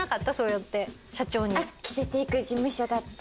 着せていく事務所だって。